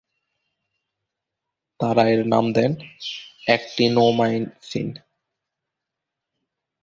তারা এর নাম দেন অ্যাকটিনোমাইসিন।